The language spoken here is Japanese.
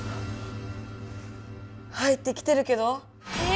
入ってきてるけど⁉え！